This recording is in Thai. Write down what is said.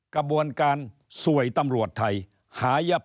กระบวนการสวยตำรวจไทย